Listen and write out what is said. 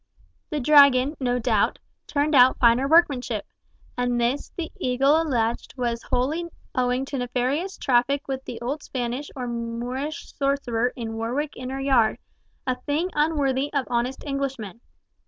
The Dragon, no doubt, turned out finer workmanship, and this the Eagle alleged was wholly owing to nefarious traffic with the old Spanish or Moorish sorcerer in Warwick Inner Yard, a thing unworthy of honest Englishmen.